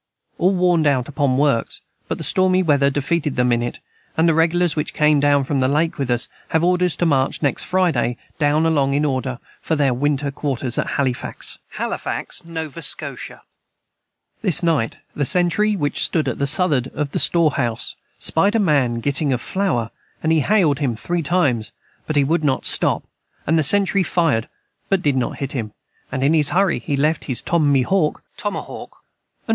All warned out upon works but the stormy wether defeted them in it the Regulars which came down from the Lake with us have orders to march next friday down along in order for their winter quorters at Hallefax this night the sentry which stood at the Southerd of the store House spied a man a gitting of Flour and he haild him 3 times but he would not stop and the sentry fired but did not hit him & in his hurry he left his tom me hawk & one shoe. [Footnote 83: Halifax, Nova Scotia.